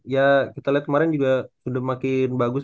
ya kita lihat kemarin juga sudah makin bagus